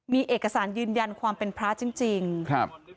มีเอกสารยืนยันความเป็นพระจริงจริงครับ